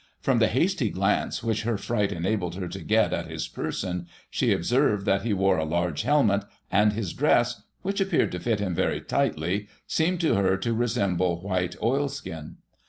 From the hasty glance which her fright enabled her to get at his person, she observed that he wore a large helmet, and his dress, which appeared to fit him very tightly, seemed to her to resemble white oilskin.